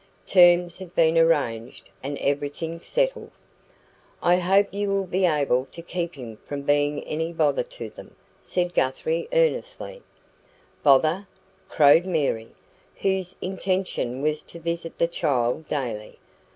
Terms had been arranged, and everything settled. "I hope you will be able to keep him from being any bother to them," said Guthrie earnestly. "Bother!" crowed Mary, whose intention was to visit the child daily.